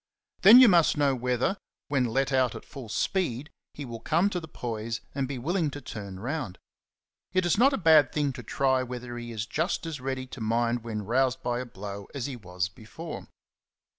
'9 Then you must know whether, when let out at full speed, he will come to the poise and be willing to turn round. It is not a bad thing to try whether he is just as ready to mind when roused by a blow as he was before.